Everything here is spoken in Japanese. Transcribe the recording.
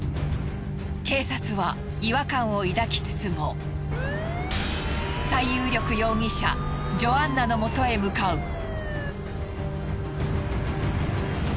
警察は違和感を抱きつつも最有力容疑者ジョアンナのもとへ向かう。